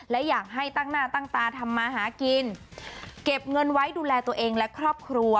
และอยากให้ตั้งหน้าตั้งตาทำมาหากินเก็บเงินไว้ดูแลตัวเองและครอบครัว